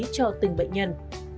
cho từng bệnh nhân